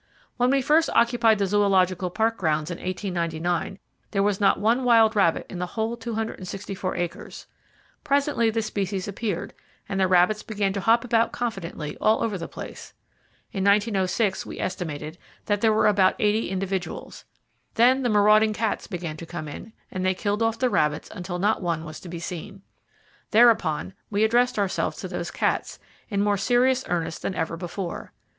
When we first occupied the Zoological Park grounds, in 1899, there was not one wild rabbit in the whole 264 acres. Presently the species appeared, and rabbits began to hop about confidently, all over the place. In 1906, we estimated that there were about eighty individuals. Then the marauding cats began to come in, and they killed off the rabbits until not one was to be seen. Thereupon, we addressed ourselves to those cats, in more serious earnest than ever before.